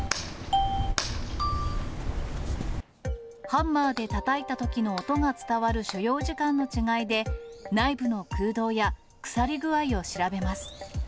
ハンマーでたたいたときの音が伝わる所要時間の違いで、内部の空洞や、腐り具合を調べます。